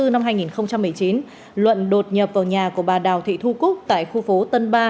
ngày bốn tháng bốn năm hai nghìn một mươi chín luận đột nhập vào nhà của bà đào thị thu cúc tại khu phố tân ba